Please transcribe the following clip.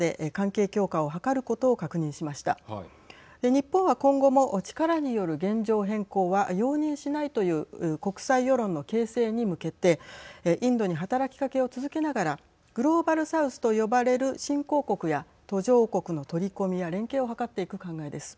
日本は今後も力による現状変更は容認しないという国際世論の形成に向けてインドに働きかけを続けながらグローバル・サウスと呼ばれる新興国や途上国の取り込みや連携を図っていく考えです。